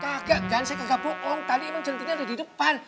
gak gak saya gak boong tadi emang centini ada di depan